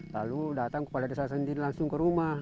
lalu datang kepala desa sendiri langsung ke rumah